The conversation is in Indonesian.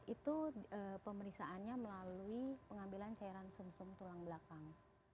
itu pemeriksaannya melalui pengambilan cairan sum sum tulang belakang